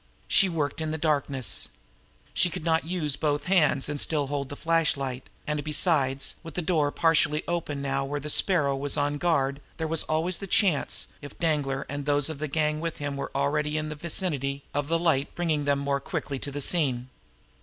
She worked in the darkness now. She could not use both hands and still hold the flashlight; and, besides, with the door partially open now where the Sparrow was on guard there was always the chance, if Danglar and those of the gang with him were already in the vicinity, of the light bringing them all the more quickly to the scene.